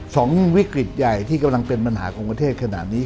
สองวิกฤตใหญ่ที่กำลังเป็นปัญหาของประเทศขนาดนี้